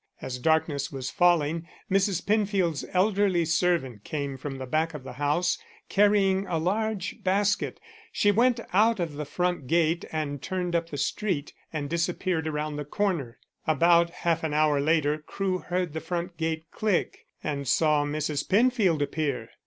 As darkness was falling, Mrs. Penfield's elderly servant came from the back of the house, carrying a large basket. She went out of the front gate, turned up the street, and disappeared round the corner. About half an hour later Crewe heard the front gate click, and saw Mrs. Penfield appear.